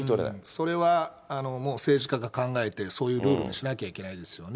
それはもう政治家が考えて、そういうルールにしなきゃいけないですよね。